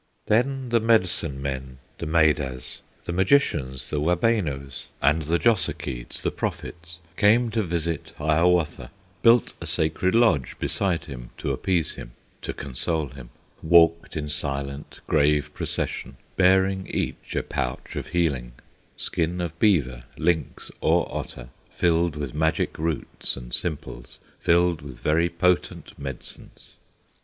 Then the Medicine men, the Medas, The magicians, the Wabenos, And the Jossakeeds, the Prophets, Came to visit Hiawatha; Built a Sacred Lodge beside him, To appease him, to console him, Walked in silent, grave procession, Bearing each a pouch of healing, Skin of beaver, lynx, or otter, Filled with magic roots and simples, Filled with very potent medicines.